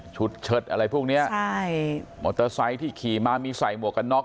เชิดอะไรพวกเนี้ยใช่มอเตอร์ไซค์ที่ขี่มามีใส่หมวกกันน็อก